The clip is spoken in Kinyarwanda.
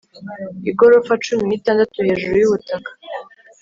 Igorofa cumi nitandatu hejuru yubutaka